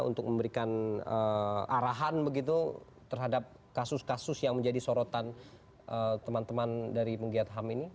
untuk memberikan arahan begitu terhadap kasus kasus yang menjadi sorotan teman teman dari penggiat ham ini